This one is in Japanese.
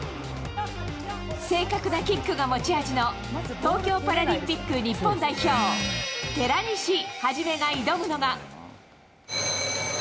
正確なキックが持ち味の東京パラリンピック日本代表、寺西一が挑むのが。